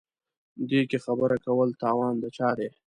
دې کې خبره کول توان د چا دی.